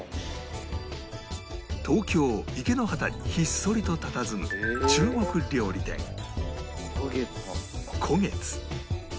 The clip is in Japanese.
東京池之端にひっそりとたたずむ中国料理店古月